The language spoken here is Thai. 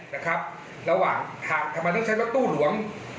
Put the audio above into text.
ทำไมต้องใช้รถตู้หลวง